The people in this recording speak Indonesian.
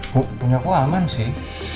punya aku aman sih